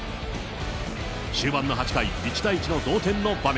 終盤の８回、１対１の同点の場面。